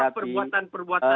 atau perbuatan perbuatan lain